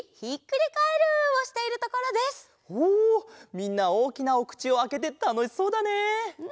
みんなおおきなおくちをあけてたのしそうだね！